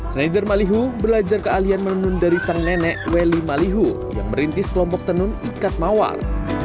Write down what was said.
sneider malihu belajar kealian menenun dari sang nenek weli malihu yang merintis kelompok tenun ikat mawar